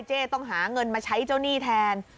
ต้องหาเงินมาใช้เจ้าหนี้แทน